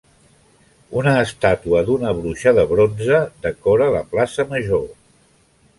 Una estàtua d'una bruixa de bronze decora la plaça major.